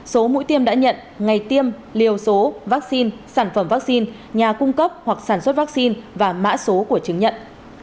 số mũi tiêm đã nhận ngày tiêm liều số vaccine sản phẩm vaccine nhà cung cấp hoặc sản xuất vaccine và mã số của chứng nhận